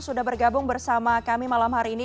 sudah bergabung bersama kami malam hari ini